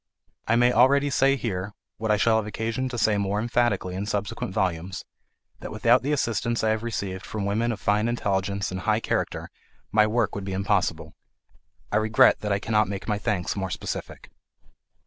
I may already say here, what I shall have occasion to say more emphatically in subsequent volumes, that without the assistance I have received from women of fine intelligence and high character my work would be impossible. I regret that I cannot make my thanks more specific.